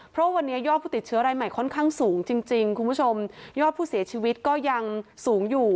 เพราะวันนี้ยอดผู้ติดเชื้อรายใหม่ค่อนข้างสูงจริงคุณผู้ชมยอดผู้เสียชีวิตก็ยังสูงอยู่